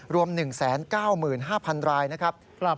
รวม๑๙๕๐๐๐ราย